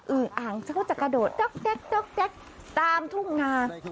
อื้งอ่างจะกระโดดตกตกตกตามทุกงาน